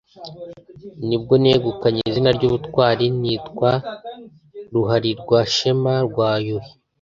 ni bwo negukanye izina ry’ubutwali nitwa Ruhalirwashema rwa Yuhi;